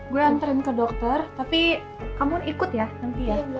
gue antren ke dokter tapi kamu ikut ya nanti ya